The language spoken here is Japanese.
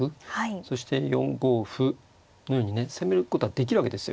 そして４五歩のようにね攻めることはできるわけですよ